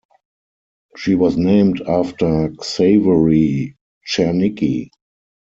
She was named after Xawery Czernicki.